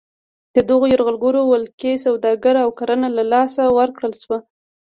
د دغو یرغلګرو ولکې سوداګري او کرنه له لاسه ورکړل شوه.